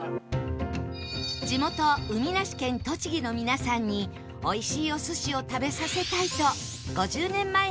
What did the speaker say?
地元海なし県栃木の皆さんにおいしいお寿司を食べさせたいと